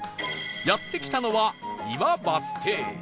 やって来たのは岩バス停